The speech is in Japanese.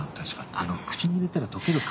あの口に入れたら溶ける紙。